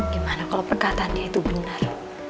gimana kalau perkataan dia itu benar